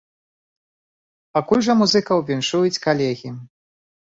Пакуль жа музыкаў віншуюць калегі!